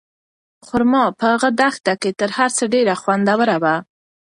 خورما په هغه دښته کې تر هر څه ډېره خوندوره وه.